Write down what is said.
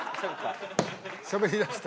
しゃべり出した。